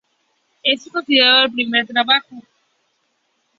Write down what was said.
Ese es considerado el primer trabajo periodístico de su larga carrera televisiva.